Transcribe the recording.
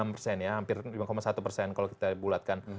enam persen ya hampir lima satu persen kalau kita bulatkan